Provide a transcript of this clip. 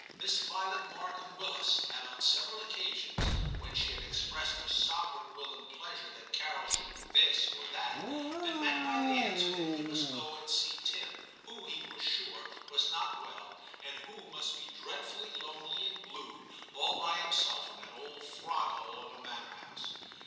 Miss Violet Markham Willis had on several occasions, when she had expressed her sovereign will and pleasure that Carol should do this or that, been met by the answer that he must go and see Tim, who, he was sure, was not well, and who must be dreadfully lonely and blue all by himself in that old frog hole of a manor house.